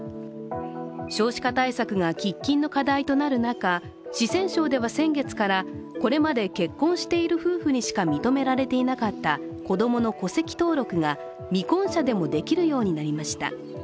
少子化対策が喫緊の課題となる中、四川省では先月からこれまで結婚している夫婦にしか認められていなかった子供の戸籍登録が未婚者でもできるようになりました。